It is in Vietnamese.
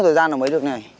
có thời gian là mới được này